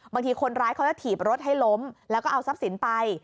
บางทีคนร้ายเขาจะถีบรถให้ล้มแล้วก็เอาทรัพย์สินไป